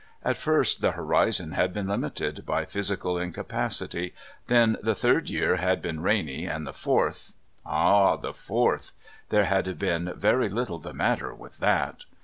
At first the horizon had been limited by physical incapacity, then the third year had been rainy, and the fourth ah, the fourth! There had been very little the matter with that!